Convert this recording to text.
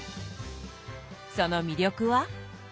その魅力は？